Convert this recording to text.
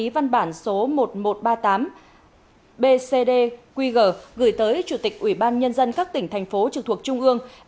văn bản nêu rõ